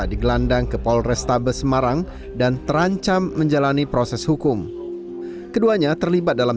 digelandang ke polrestabes semarang dan terancam menjalani proses hukum keduanya terlibat dalam